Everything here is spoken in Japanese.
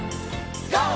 ＧＯ！